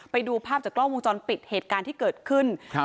ไปดูภาพจากกล้องวงจรปิดเหตุการณ์ที่เกิดขึ้นครับ